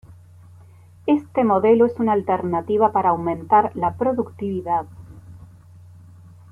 Este modelo es una alternativa para aumentar la productividad.